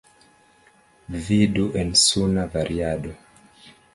Vidu en suna variado.